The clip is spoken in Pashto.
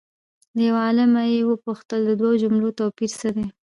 له یو عالمه یې وپوښتل د دوو جملو توپیر څه دی؟